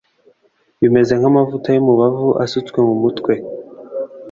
Bimeze nk’amavuta y’umubavu asutswe mu mutwe